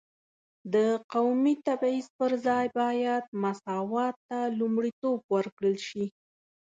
د قومي تبعیض پر ځای باید مساوات ته لومړیتوب ورکړل شي.